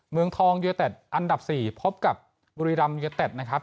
เมืองทองยูเนเต็ดอันดับ๔พบกับบุรีรำยูเต็ดนะครับ